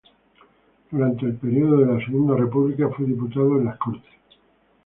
Durante el periodo de la Segunda República fue diputado en las Cortes.